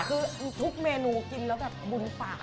คือทุกเมนูกินแล้วแบบบุญปาก